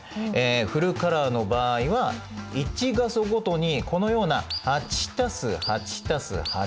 フルカラーの場合は１画素ごとにこのような８足す８足す８。